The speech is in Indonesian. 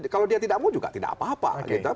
kalau dia tidak mau juga tidak apa apa